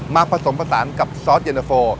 ผสมผสานกับซอสเย็นตะโฟ